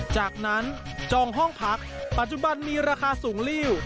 จากนั้นจองห้องพักปัจจุบันมีราคาสูงลิ้ว